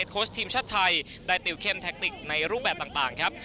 โค้ชทีมชาติไทยได้ติวเข้มแท็กติกในรูปแบบต่างครับ